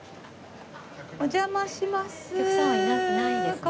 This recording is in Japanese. お邪魔します。